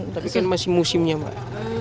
tapi kan masih musimnya mbak